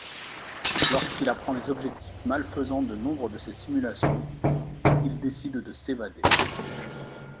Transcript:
Lorsqu'il apprend les objectifs malfaisants de nombre de ces simulations, il décide de s'évader.